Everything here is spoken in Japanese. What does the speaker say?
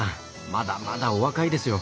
まだまだお若いですよ。